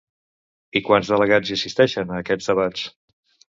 I quants delegats hi assisteixen a aquests debats?